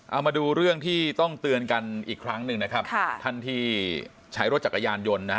เอามาดูเรื่องที่ต้องเตือนกันอีกครั้งนึงท่านที่ใช้รถจักรยานยนต์